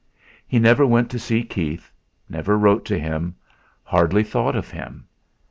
He never went to see Keith, never wrote to him, hardly thought of him.